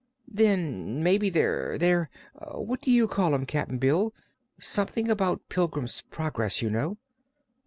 "Then mebbe they're they're What do you call 'em, Cap'n Bill? Something 'bout the Pilgrim's Progress, you know."